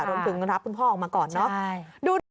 รวมถึงรับคุณพ่อออกมาก่อนเนอะ